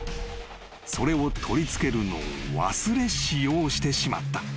［それを取り付けるのを忘れ使用してしまった］